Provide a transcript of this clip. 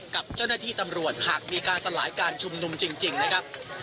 กับเจ้าหน้าที่ตำรวจหากมีการสลายการชุมนุมจริงนะครับ